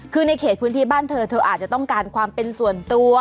คือในเขตพื้นที่บ้านเธอเธออาจจะต้องการความเป็นส่วนตัว